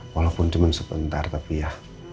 walaupun cuma sebentar tapi ya